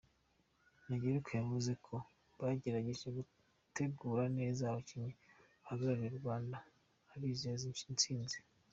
Ntageruka yavuze ko bagerageje gutegura neza abakinnyi bahagarariye u Rwanda, abizeyeho intsinzi.